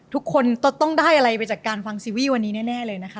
ทุกคนต้องได้อะไรไปจากการฟังซีรีส์วันนี้แน่เลยนะคะ